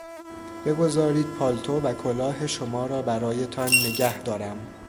بگذارید پالتو و کلاه شما را برایتان نگه دارم.